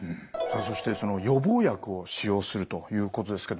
そして予防薬を使用するということですけども。